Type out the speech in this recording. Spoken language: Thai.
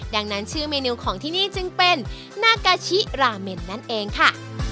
ดังนั้นชื่อเมนูของที่นี่จึงเป็นนากาชิราเมนนั่นเองค่ะ